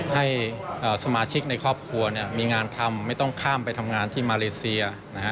ให้สมาชิกในครอบครัวมีงานทำไม่ต้องข้ามไปทำงานที่มาเลเซีย